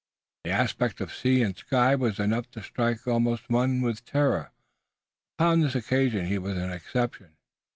The aspect of sea and sky was enough to strike almost any one with terror, but upon this occasion he was an exception.